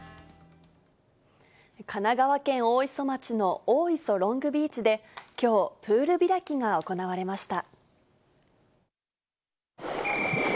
神奈川県大磯町の大磯ロングビーチで、きょう、プール開きが行われました。